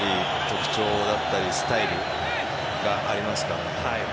特徴だったりスタイルがありますからね。